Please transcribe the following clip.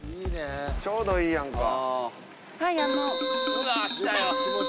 ちょうどいいやんか。